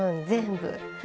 全部。